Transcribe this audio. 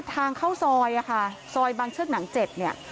ทางเข้าซอยอะค่ะซอยบางเชือกหนัง๗เนี่ย